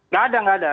nggak ada nggak ada